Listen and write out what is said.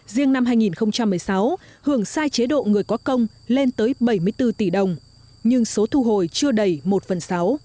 riêng năm hai nghìn một mươi sáu hưởng sai chế độ người có công lên tới bảy mươi bốn tỷ đồng nhưng số thu hồi chưa đầy một phần sáu